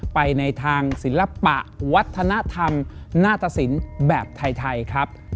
ไปในทางศิลปะวัฒนธรรมนาตสินแบบไทยครับ